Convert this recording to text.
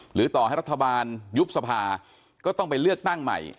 หรือต่อให้รัฐบาลยุบสภาก็ต้องไปเลือกตั้งใหม่